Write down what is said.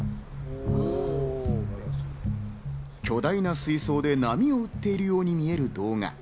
巨大な水槽で波を打っているように見える動画。